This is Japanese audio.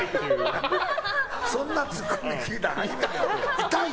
そんなツッコミ聞いたことない。